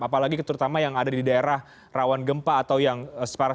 apalagi terutama yang ada di daerah rawan gempa atau yang separatis